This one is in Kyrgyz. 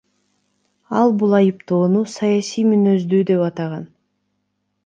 Ал бул айыптоону саясий мүнөздүү деп атаган.